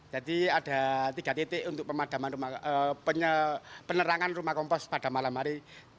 ada tiga titik untuk penerangan rumah kompos pada malam hari